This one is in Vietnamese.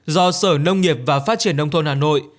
do sở nông nghiệp và phát triển nông thôn hà nội